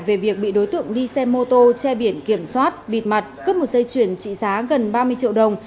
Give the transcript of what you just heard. về việc bị đối tượng đi xe mô tô che biển kiểm soát bịt mặt cướp một dây chuyển trị giá gần ba mươi triệu đồng